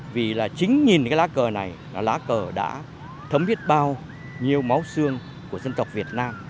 vì là chính nhìn cái lá cờ này là lá cờ đã thấm viết bao nhiêu máu xương của dân tộc việt nam